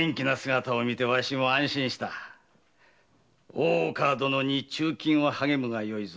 大岡殿に忠勤を励むがよいぞ。